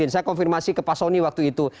saya konfirmasi ke pasoni waktu itu